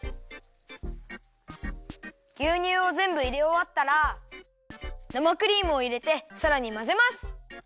ぎゅうにゅうをぜんぶいれおわったら生クリームをいれてさらにまぜます！